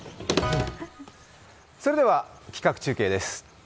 それでは企画中継です。